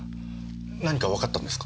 何かわかったんですか？